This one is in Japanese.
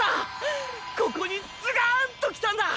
ここにズガンときたんだ！